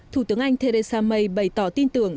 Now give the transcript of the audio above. thủ tướng anh theresa may bày tỏ tin tưởng